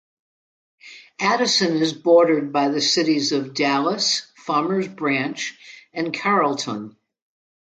Addison is bordered by the cities of Dallas, Farmers Branch, and Carrollton.